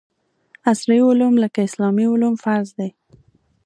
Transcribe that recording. عصري علوم لکه اسلامي علوم فرض دي